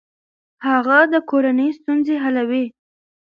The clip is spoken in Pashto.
هغه د کورنۍ ستونزې حلوي.